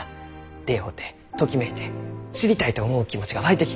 出会うてときめいて知りたいと思う気持ちが湧いてきて。